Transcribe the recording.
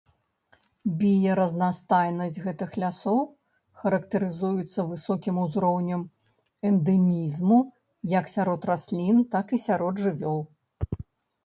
Біяразнастайнасць гэтых лясоў характарызуецца высокім узроўнем эндэмізму як сярод раслін, так і сярод жывёл.